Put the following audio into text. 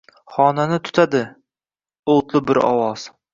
Xonani tutadi o’tli bir ovoz: